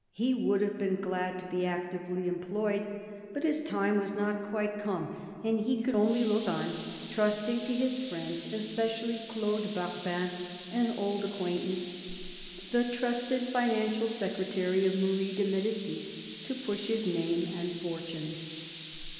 He would have been glad to be actively employed, but his^time was not quite come, and he could only look on, trusting to his friends — especially Claude Barbin, an old acquaintance, the trusted financial secretary of Marie de Medicis — to push his name and fortunes.